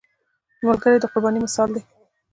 ملګری د قربانۍ مثال دی